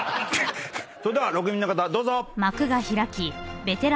それでは６人目の方どうぞ。